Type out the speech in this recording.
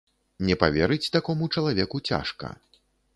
Не паверыць такому чалавеку цяжка.